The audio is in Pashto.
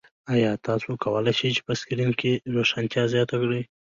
ایا تاسو کولی شئ په سکرین کې روښانتیا زیاته کړئ؟